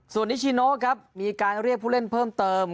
ส่วนนิชิโนครับมีการเรียกผู้เล่นเพิ่มเติม